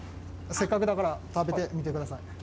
せっかくだから、食べてみてください。